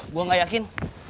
gue gak yakin